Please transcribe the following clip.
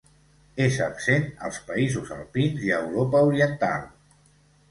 És absent als països alpins i a Europa Oriental.